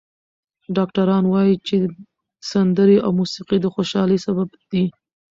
ډاکټران وايي چې سندرې او موسیقي د خوشحالۍ سبب دي.